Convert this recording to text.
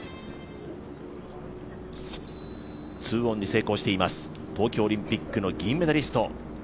２オンに成功しています、東京オリンピックの銀メダリスト。